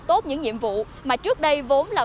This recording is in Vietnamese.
tốt những nhiệm vụ mà trước đây vốn là